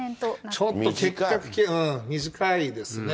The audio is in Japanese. ちょっと欠格期間、短いですね。